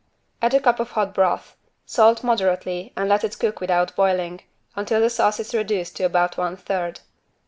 Add a cup of hot broth; salt moderately and let it cook without boiling, until the sauce is reduced to about one third.